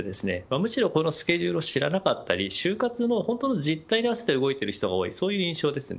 むしろこのスケジュールを知らなかったり就活の本当の実態に合わせて動いてる人が多い。